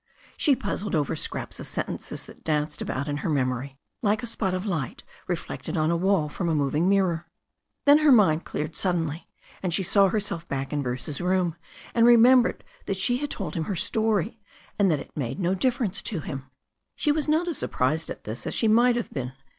She puzzled over scraps of sentences that danced about in her memory like a spot of light reflected on a wall from a moving mirror. Then her mind cleared suddenly, and she saw herself back in Bruce's room, and remembered that she had told him her story, and that it made no difference to him. She was not as surprised at this as she might have been.